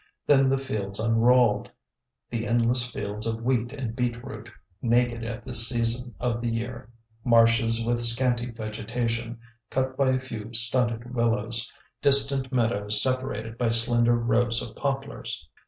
Then the fields unrolled, the endless fields of wheat and beetroot, naked at this season of the year, marshes with scanty vegetation, cut by a few stunted willows, distant meadows separated by slender rows of poplars.